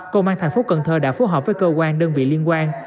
công an thành phố cần thơ đã phối hợp với cơ quan đơn vị liên quan